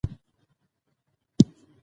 علم د جهالت مخه نیسي.